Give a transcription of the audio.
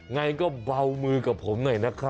ไงก็เบามือกับผมหน่อยนะครับ